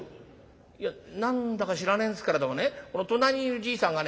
「いや何だか知らねえんですけれどもねこの隣にいるじいさんがね